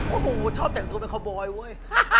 โอ้โหชอบแต่งตัวเป็นคอบอยเว้ย